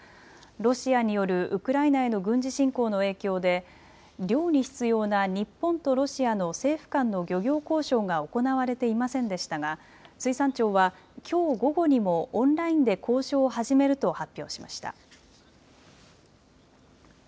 ロシアによるウクライナへの軍事侵攻の影響で漁に必要な日本とロシアの政府間の漁業交渉が行われていませんでしたが水産庁は、きょう午後にもオンラインで交渉を始めると発表しました。